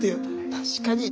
確かに。